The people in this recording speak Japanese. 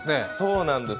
そうなんです